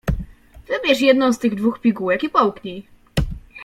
"Wybierz jedną z tych dwóch pigułek i połknij."